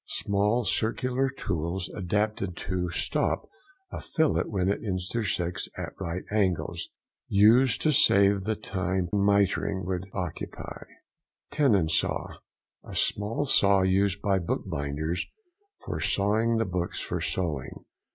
—Small circular tools, adapted to "stop" a fillet when it intersects at right angles; used to save the time mitringmitreing would occupy. TENON SAW.—A small saw used by bookbinders for sawing the books for sewing.